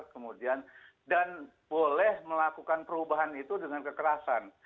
kemudian dan boleh melakukan perubahan itu dengan kekerasan